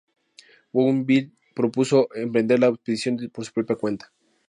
Bougainville propuso emprender la expedición por su propia cuenta.